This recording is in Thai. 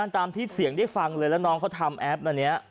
ที่เสียงได้ฟังเลยแล้วน้องเขาทำแอปอันนี้